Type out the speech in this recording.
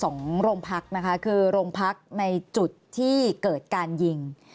สองโรงพักนะคะคือโรงพักในจุดที่เกิดการยิง